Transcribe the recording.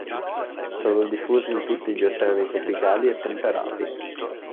Sono diffusi in tutti gli oceani tropicali e temperati.